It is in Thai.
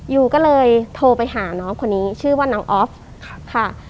ยูก็เลยโทรไปหาน้องคนนี้ชื่อว่าน้องออฟค่ะ